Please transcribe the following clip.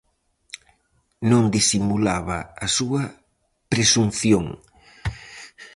Non disimulaba a súa presunción.